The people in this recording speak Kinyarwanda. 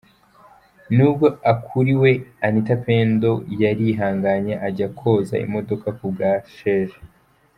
Nubwo akuriwe Anita Pendo yarihanganye ajya koza imodoka kubwa Sheja.